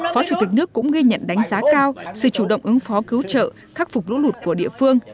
phó chủ tịch nước cũng ghi nhận đánh giá cao sự chủ động ứng phó cứu trợ khắc phục lũ lụt của địa phương